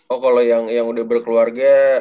oh kalau yang udah berkeluarga